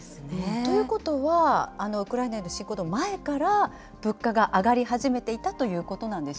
ということは、ウクライナへの侵攻の前から物価が上がり始めそうなんです。